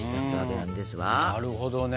なるほどね。